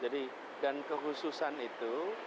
dan kehususan itu